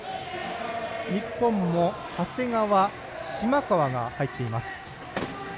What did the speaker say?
日本も長谷川、島川が入っています。